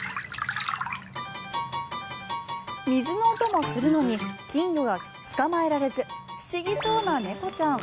水の音もするのに金魚が捕まえられず不思議そうな猫ちゃん。